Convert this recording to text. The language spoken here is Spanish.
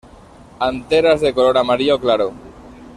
Anteras de color amarillo claro.